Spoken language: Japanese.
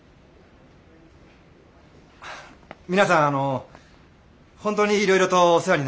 皆さんあの本当にいろいろとお世話になりました。